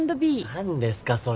何ですかそれ。